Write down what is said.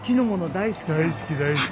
大好き大好き。